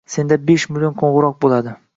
Senda besh million qo‘ng‘iroq bo‘ladi